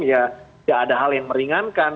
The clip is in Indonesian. ya tidak ada hal yang meringankan